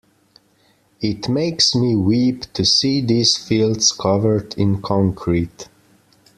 It makes me weep to see these fields covered in concrete.